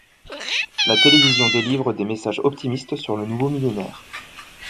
La télévision délivre des messages optimistes sur le Nouveau Millénaire.